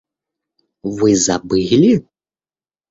Вы забыли?